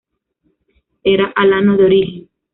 Era alano de origen.